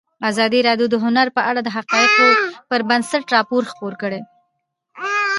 ازادي راډیو د هنر په اړه د حقایقو پر بنسټ راپور خپور کړی.